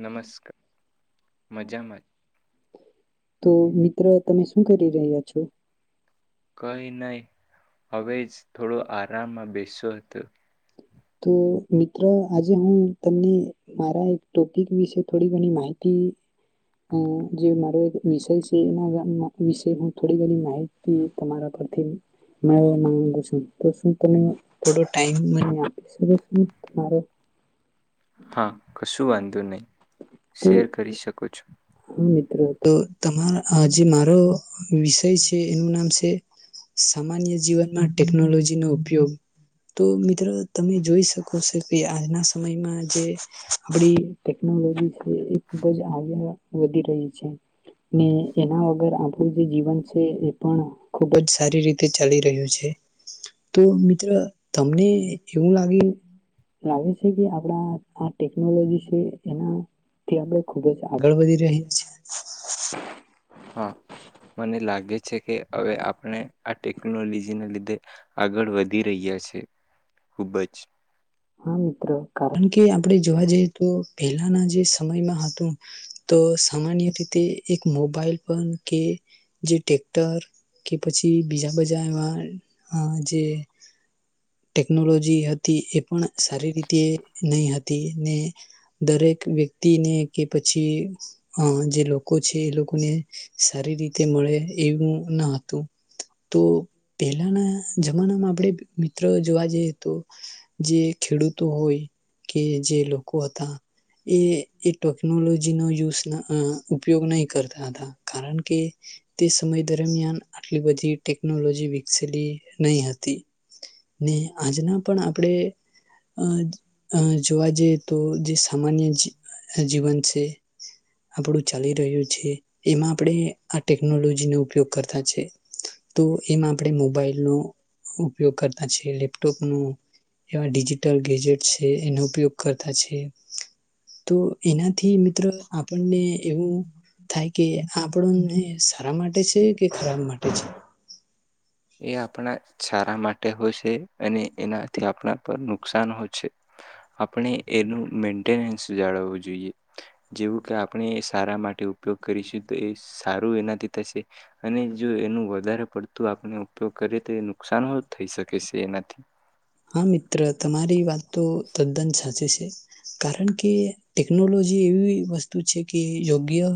નમસ્કાર મજામાં કઈ નહી હવે જ થોડો આરામમાં બેસ્યો હતો તો મિત્ર આજે હું તમને મારા એક ટોપિક વિશે થોડી ઘણી માહિતી અ જે મારો એક વિષય સે એના વિશે હું થોડી ઘણી માહિતી તમારા પરથી મેળવા માંગુ સુ તો શું તમે થોડો ટાઈમ મને [unintelligible] તમારો. હા કશું વાંધો નહીં શેર કરી શકો છો. હા મિત્રો તો તમારા જે મારો વિષય સેએનું નામ સે સામાન્ય જીવનમાં ટેકનોલોજીનો ઉપયોગ તો મિત્રો તમે જોઈ શકો સો કે આજના સમયમાં જે આપડી ટેકનોલોજી એ ખુબ જ [unintelligible] વધી રહી છે. ને એના વગર આપણું જે જીવન છે એ પણ ખુબ જ સારી રીતે ચાલી રહ્યું છે તો મિત્ર તમને એવું લાગે લાગે છે કે આપણા આ ટેકનોલોજી છે એનાથી આપણે ખુબ જ આગળ વધી રહી છે. હા મને લાગે છે કે અવે આપણે આ ટેક્નોલોજિ ના લિ ધે આગળ વધી રહ્યા છે ખુબ જ. હા મિત્ર કારણ કે આપણે જોવા જઈએ તો પહેલાના જે સમયમાં હતું તો સામાન્ય રીતે એક મોબાઈલ પણ કે જે ટ્રેકટર કે પછી બીજા બજા એવા જે ટેકનોલોજી હતી એ પણ સારી રીતે નય હતી ને દરેક વ્યક્તિને કે પછી જે લોકો છે એ લોકોને સારી રીતે મળે એવુંું ના હતું તો પહેલાના જમાનામાં આપણે મિત્ર જોવા જઈએ તો જે ખેડૂતો હોય કે જે લોકો હતા એ એ ટોકનોલોજીનો યુઝ ન અ ઉપયોગ નહી કરતા હતા કારણ કે તે સમય દરમિયાન આટલી બધી ટેકનોલોજી વિકસેલી નય હતી. [unintelligible] આજના પણ આપણે અ જોવા જઈએ તો જે સામાન્ય જી જીવન સે આપણું ચાલી રહ્યું છે એમાં આપણે આ ટેકનોલોજીનો ઉપયોગ કરતા છે તો એમાં આપણે મોબાઈલનો ઉપયોગ કરતા છે લેપટોપનો એવા ડિજિટલ ગેજેટ છે એનો ઉપયોગ કરતા છે તો એનાથી મિત્ર આપણને એવું થાય કે આપણને સારા માટે છે કે ખરાબ માટે છે. એ આપણા સારા માટે હોશે અને એનાથી આપણા પર નુકસાન હો છે આપણે એનું મેન્ટેનન્સ જાળવવું જોઈએ જેવું કે આપણે એ સારા માટે ઉપયોગ કરીશ તો એ સારું એનાથી થશે. અને જો એનું વધારે. પડતું આપણણે. તો ઘરે તે નુકસાન થઈ શકે સે એનાથી. હા મિત્ર તમારી વાત તો તદ્દન સાચી સે. કારણ કે ટેકનોલોજી એવી વસ્તુ છે કે યોગ્ય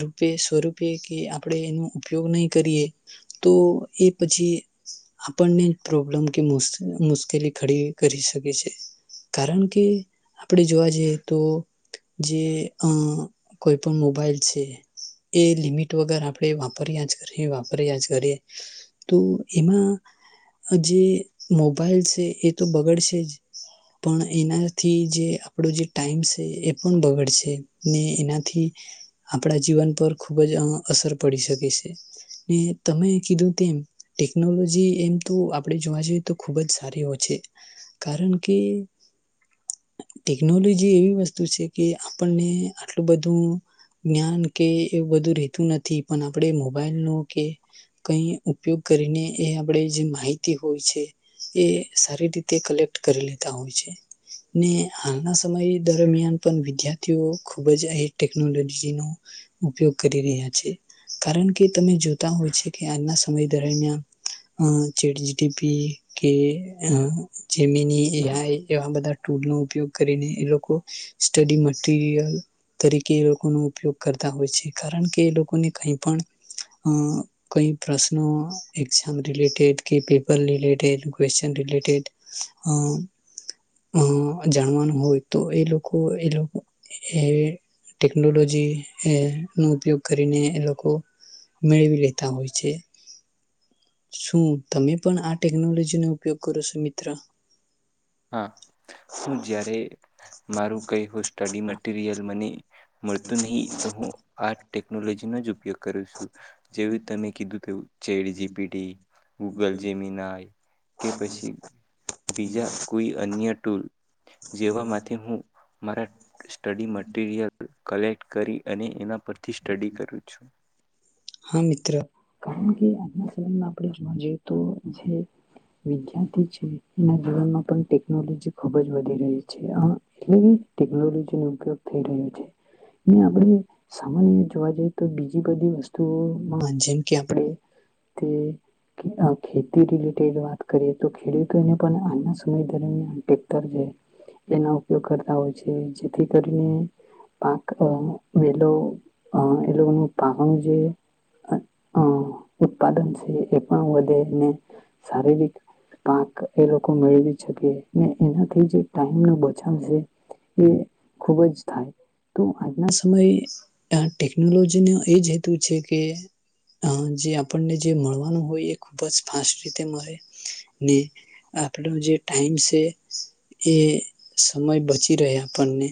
રૂપે સ્વરૂપે કે આપણે એનો ઉપયોગ નહીં કરીએ તો એ પછી આપણને જ પ્રોબ્લમ કે મુસ મુસ કેલી ખડી કરી શકે છે કારણ કે આપણે જોવા જઈએ તો. જે અ કોઈ પણ મોબાઈલ છે. એ લિમિટ વગર આપડે વાપ પર યાજ કરએ વાપરયાજ કરએ. તો એમાં જે મોબાઈલ. તે એ તો બગડશે જ પણ એનાથી જે આપણો જે ટાઈમ સે એ પણ બગડશે ને એનાથી. [inaudible] આપણા જીવન પર ખુબ જ આનો અસર. પડી શકે છે ને તમે કીધું તેમ ટેકનોલોજી એમ તો આપણે જોવા જઈએ તો ખૂબ જ. [unintelligible] છે કારણ કે ટેકનોલોજી એવી વસ્તુ છે કે આપણને આટલું બધું જ્ઞાન કે એવું બધું રહેતું નથી પણ આપણે મોબાઈલનો કે કઈ ઉપયોગ કરીને. એ આપણેે જે માહિતી હોય છે. એ સારી રીતે કલેક્ટ કરી લેતા હોય છે ને આ હાલના સમય દરમિયાન પણ વિ તેઓ ખૂબ જ અહીં ટેકનોલોજીનો ઉપયોગ કરી રહ્યા છે કારણ કે તમે જોતા હોય છે. કે આજના સમય દરમિયા જેેડ જીડીપી. કે જેમીની એ આ એવા બધા ટૂલનો ઉપયોગ કરીને એ લોકો સ્ટડી મટીરિયલ તરીકે એ લોકોનો ઉપયોગ કરતા હોય છે કારણ કે એ લોકોને કંઈ પણ કઈ પ્રશ્નો એક્ઝામ રિલેટેડ કે paper related question related અ અ જાણવાનું હોય તો એ લોકો એ ટેકનોલોજી નો ઉપયોગ કરીને એ લોકો મેળવી લેતા હોય છે. શું તમે પણ આ. લુઝનો ઉપયોગ કરો જો મિત્ર. હા હું જ્યારે મારું કઈ સ્ટડી મટીરિયલ મની મળતું નહી તો હું આઠ ટેકનોલોજીનો જ ઉપયોગ. કર છું. જેવી રતેમે કીધું તેવું. ચેટજીપીટી ગૂગલ જેમીનાય કે પછી બીજા કોઈ અન્ય ટુલ જેવા માંથી હું [unintelligible] સ્ટડી મટીરિયલ કલેક્ટ કરી અને એના પરથી સ્ટડી કરું છું. હા, મિત્ર. આજના સમયમાં આપણે જોવા જઈએ તો જે વિદ્યાર્થી છે. એના જીવનમાં પણ ટેકનોલોજી ખુબ જ વધી રહી છે. એટલે કે ટેકનોલોજી [inaudible] જેમ કે, આપણે તે ખ ખેતી રિટેડ વાત કરીએ તો ખેડૂતો એને પણ આના સમય દરમિયાન ટ્રેક્ટર જે એના ઉપયોગ કરતા હોય છે. જેથી કરીને પાક અ વેલો અ [unintelligible] અ ઉત્પાદન છે એ પણ વધે ને શારીરિક પાક એ લોકો મેળવી છકે એનાથી જે ટાઈમ નો બચાવ છે એ ખુબ જ થાય. તો આજના સમયે ટેકનોલોજી એ તું છે કે અ જે આપણને જે મળવાનું હોય એ ખૂબ જ ફાસ્ટ રીતે મળે. ને આપનો જે ટાઈમ છે એ સમય બચી રહે આપણને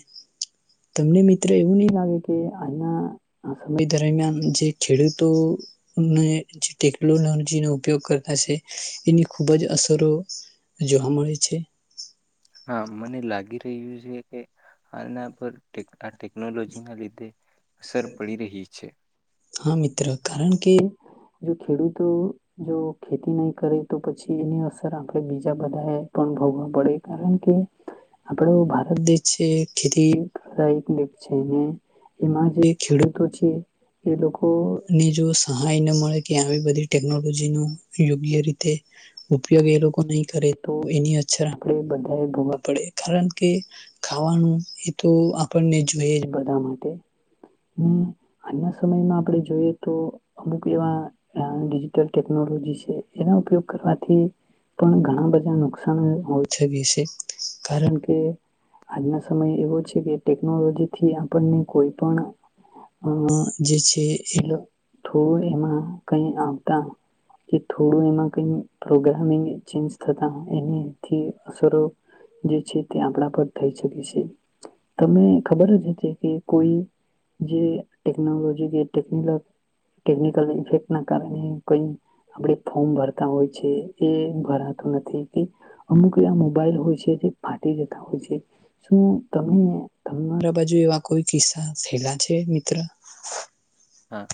તમને મિત્ર એવું નહી લાગે કે આજના સમય દરમિયાન જે ખેડૂતોને ને ટેકનોલોજીનો ઉપયોગ કરતા છે એની ખૂબ જ અસરો હા, મને લાગી ર હ્યું છે કે હાલના પર ટેક ટેકનોલોજી ના લીધે હા, મિત્ર કારણ કે જો ખેડૂતો જો ખેતી નહી કરે તો પછી એની અસર આપણે બીજા બધા એ પણ ભોગવા પડે. કારણ કે આપડો ભારત દેશ છે એ ખેતી પ્રદાયિક દેશ છે ને એમાં જે ખેડૂતો છે એ લોકો ને જો સહાય ન મળે કે આવી બધી ટેકનોલોજી નો યોગ્ય રીતે ઉપયોગ એ લોકો નહી કરે તો એની અછર આપણે બધા ભોગવા પડે. કારણ કે ખાવાનું એ તો આપણને જોઈએ જ બધા માટે આજના સમયમાં આપણે જોઈએ તો અમુક એવા અ ડિજીટલ ટેકનોલોજી છે એનો ઉપયોગ કરવાથી પણ ઘણા બધા નુકસાન હોય શકે છે. કારણ કે આજના સમય એવો છે કે ટેકનોલોજીથી આપણને કોઈ પણ અ જે છે એ થોડું એમાં કઈ આવતા કે થોડું એમાં કઈ પ્રોગ્રામિંગ ચેન્જ થતા એનાથી અસરો જે છે તે આપણા પર થઈ શકે છે. તને ખબર જ હતી કે કોઈ જે ટેકનોલોજી જે ટેકનીલ ટેકિકલ ઇફેક્ટ ના કારણે કઈ આપ ફોમ ભરતા હોય છે. એ ભરાતું નથી કે અમુક એવા મોબાઈલ હોય છે જે ફાટી જતા હોય છે શું તમે તમારા બાજુ એવા કોઈ કિસ્સ થેલા છે મિત્ર? હા,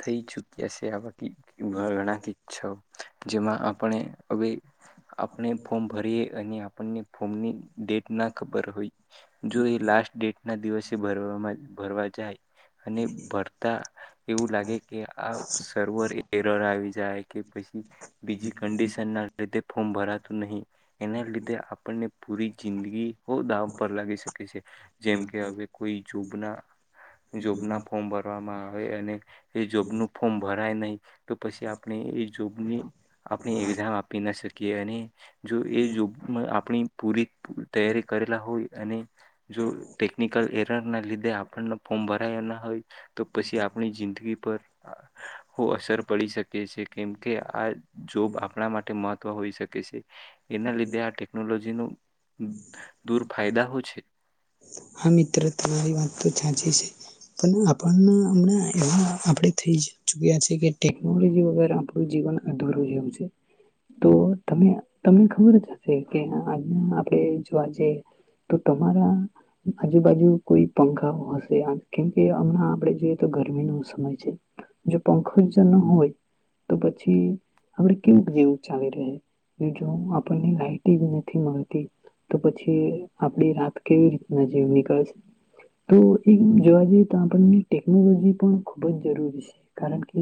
થઈ ચુક્યા છે આવા ઘણા કિચ્છા જેમાં આપણે હવે આપણે ફોર્મ ભરીએ અને આ આપણને ફોર્મની ડેટ ના ખબર હોય જો એ લાસ્ટ ડેટ ના દિવસે ભરવામાં ભરવા જાય ને અને ભર તા એવું લાગે કે આ સર્વર એરર આવી જાય કે પછી બીજી કંડિશન ના લીધે ફોમ ભરાતું નહીં. એના લીધે આપણને પૂરી જિંદગી બો દવ પાર લાગી શકે છે. જેમકે હવે કોઈ જોબના જોબના ફોર્મ [unintelligible] હ એ અને- એ જોબનું ફોર્મ ભરાય નહીં તો પછી આપણે એ જોબની આપણી એક્ઝામ આપી ના શકીએ. કે અને- જો એ જોબ ની આપણી પૂરી- તૈયારી કરેલા હોય અને જો ટેકનિકલ એરર ના લીધે આપણને ફોર્મ ભરાયા ના હોય. પછી આપણી જિંદગી પર- હા બો અસર પડી શકે છે. કેમકે આ જોબ આપણા માટે મહત્વ હોઈ શકે. કે છે. એના લીધે આ ટેકનોલોજી જેનું દૂરફાયદા હો છે. હા મિત્ર તમારી વાત તો સા છે પણ આપણને હમણાં એવા આપડે થઈ ચુક્યા છે કે ટેકનોલોજી વગર આપણું જીવન અધૂરું જેવુ છે. તો તમને ખબર જ હશે કે આપણે જોવા જ તો તમારા આજુબાજુ કોઈ પંખા હશે કેમકે હમણા આપડે જોઈએ. તો ગરમીનો સમય છે જો પંખો જ ન હોય તો પછી આપડે કેવું જેવું ચાલી રહે? જો આપણને લાઈટ જ નથી મળતી તો પછી આપડી રાત કેવી રીત ના જેવી નીકળશે તો જોવા જઈએ તોં આપણને ટેકનોલોજી પણ ખૂબ જ જરૂરી છે કારણ કે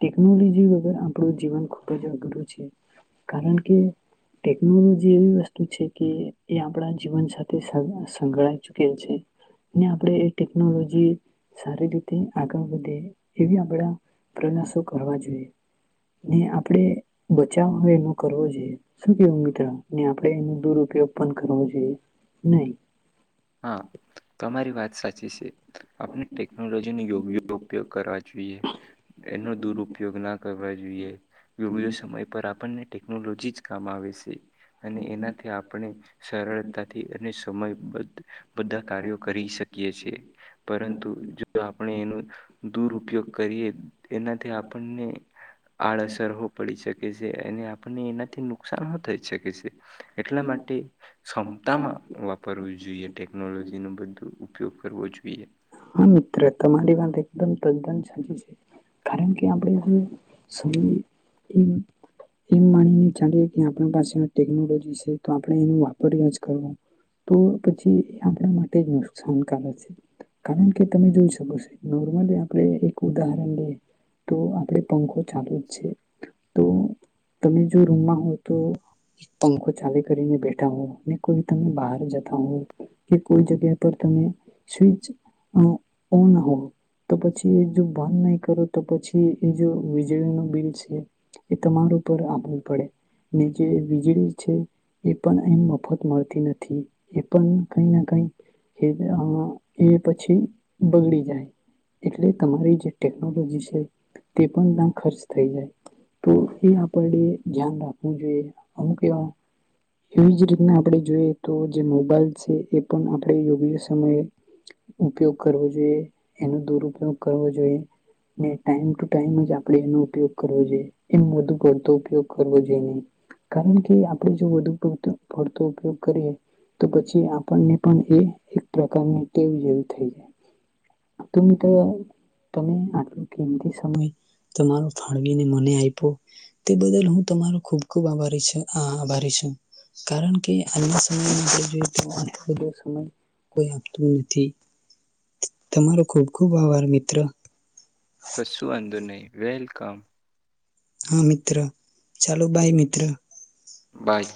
ટેકનોલોજી વગર આપણું જીવન ખૂબ જ અધૂરું છે કારણ કે ટેકનોલોજી એવી વસ્તુ છે કે એ આપણા જીવન સાથે [unintelligible] ને આપણે એ ટેકનોલોજી સારી રીતે આગળ વધે એવી આપડા પ્રયાસો કરવા જોઈએ. ને આપણે બચાવ એનો કરવો જોઈએ શું કેવું મિત્ર આપણે એનો દુરયોગ પણ કરવો જોઈએ નહી. હા તમારી વાત સાચી છે. આપણે ટેકનોલોજીનો યોગ્ય ઉપયોગ કરવા જોઈએ એનો દુરુપયોગ ના કરવા જોઈએ. યોગ્ય સમય પર આપણને ટેકનોલોજી જ કામ આવે શે અને એનાથી આપણે સરળતાથી અને સમયબધ બધા કાર્યો કરી શકીએ છીએ. પરંતુ જો આપણે એનો દુરઉપયોગ કરીએ એનાથી આપણને આડઅસર હો પડી શકે છે અને આપણને એનાથી નુકસાન હો થઈ શકે છે. એટલા માટે ક્ષમતામાં વાપરવું જોઈએ. ટેકનોલોજી નું બધુ ઉપયોગ કરવો જોઈએ. હા મિત્ર તમારી વાત એકદમ તદ્દન સાચી છે. કારણ કે આપણે એમ સમ માનીને ચાલીએ કે આપણા પાસે ટેકનોલોજી શે તો આપણે એનું વાપરએ જ કરવું તો પછી આપણા માટે જ નુકસાનકારક શે. કારણ કે તમે જોઈ શકો છો નોર્મલી આપણે એક ઉદાહરણ લઈએ તો આપણે પંખો ચાલુ જ છે. તો તમે જો રૂમમાં હો તો પંખો ચાલી કરીને બેઠા હો ને કોઈ તમે બહાર જતા હો કે કોઈ જગ્યા પર તમે સ્વીચ હ ઓન હોય તો પછી એ જો ભાન નહી કરો તો પછી એ જો વીજળી ન બિલ છે, એ તમાર પર આપવું પડે ને જે વીજળી છે એ પણ એમ મફત મળતી નથી, એ પણ કઈ ના કઈ એ પછી બગડી જાય, એટલે તમારી જે ટેકનોલોજી છે તે પણ ના ખર્ચ થઈ જાય, તો એ આપડ ધ્યાન રાખવું જોઈએ. અમુક એવા એવી જ રીતના આપડે જોઈએ. તો જે મોબાઈલ છે, એ પણ આપડે યોગ્ય સમયે- ઉપયોગ કરવો જોઈએ. એનો દુરપયોગ કરવો જોઈએ ને ટાઈમ ટુ ટાઈમ જ આપડે એનો ઉપયોગ કરવો જોઈએ, એમ વધુ પડતો ઉપયોગ કરવો જોઈએ નહી, કારણકે આપણે જો વધુ પડતો ઉપયોગ કરીએ તો પછી આપણને પણ એ એક પ્રકારની- તેવું જેવું થઈ જાય. [unintelligible] તમે આટલો કિંમતી સમય તમારો ફાળવીને મને આઈપો તે બદલ હું તમારો ખુબ ખૂબ આભારી છું. આ આભારી છું. કારણ કે આજના સમયમાં. [inaudible] દૂરથી તમારો ખૂબ ખુબ આભાર મિત્ર. કશું વાંધો નહીં વેલ કમ. હા, મિત્ર ચાલો બાય મિત્ર. બાય.